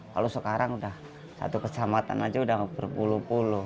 kalau sekarang udah satu kecamatan aja udah berpuluh puluh